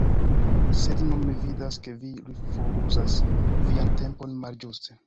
Sed nun mi vidas ke vi foruzas vian tempon malĝuste.